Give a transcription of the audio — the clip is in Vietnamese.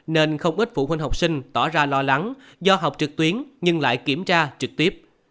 nên không ít phụ huynh học sinh tỏ ra lo lắng do học trực tuyến nhưng lại kiểm tra trực tiếp